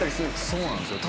そうなんですよ。